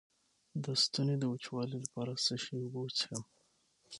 د ستوني د وچوالي لپاره د څه شي اوبه وڅښم؟